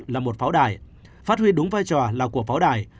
là một pháo đài phát huy đúng vai trò là của pháo đài